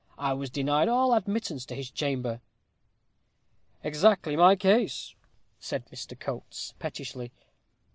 I was denied all admittance to his chamber." "Exactly my case," said Mr. Coates, pettishly.